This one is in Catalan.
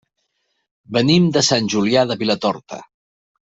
Venim de Sant Julià de Vilatorta.